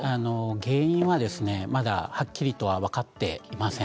原因はまだはっきりとは分かっていません。